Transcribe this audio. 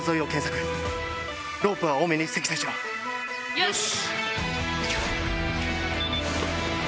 よし。